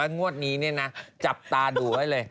งวดนี้จับตาดูไว้เลย